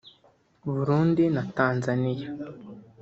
Burundi na Tanzaniya